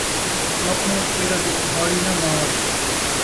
آپݨے پیراں تے کہاڑی ناں مار